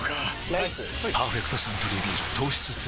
ライス「パーフェクトサントリービール糖質ゼロ」